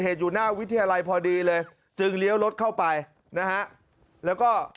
อยู่หน้าวิทยาลัยพอดีเลยจึงเลี้ยวรถเข้าไปนะฮะแล้วก็